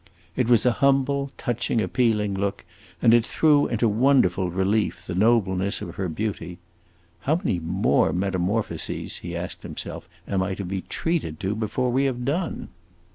It was a humble, touching, appealing look, and it threw into wonderful relief the nobleness of her beauty. "How many more metamorphoses," he asked himself, "am I to be treated to before we have done?"